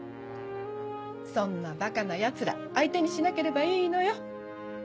そんなばかなヤツら相手にしなければいいのよ。